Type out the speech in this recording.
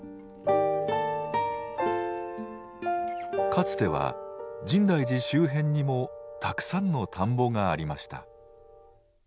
かつては深大寺周辺にもたくさんの田んぼがありました。